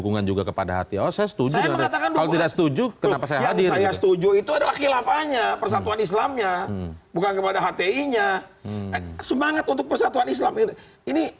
khilafahnya persatuan islamnya bukan kepada hatinya semangat untuk persatuan islam ini